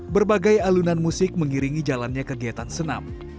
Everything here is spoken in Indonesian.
berbagai alunan musik mengiringi jalannya kegiatan senam